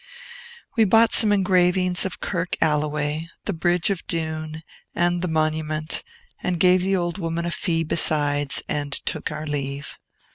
We bought some engravings of Kirk Alloway, the Bridge of Doon, and the monument, and gave the old woman a fee besides, and took our leave.